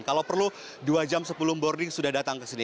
kalau perlu dua jam sebelum boarding sudah datang kesini